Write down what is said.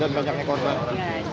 dan banyaknya korban